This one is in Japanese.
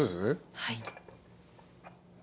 はい。